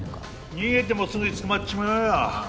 逃げてもすぐに捕まっちまうよ。